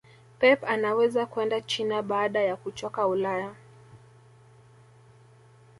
pep anaweza kwenda china baada ya kuchoka ulaya